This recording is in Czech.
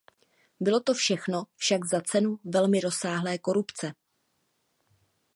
Bylo to všechno však za cenu velmi rozsáhlé korupce.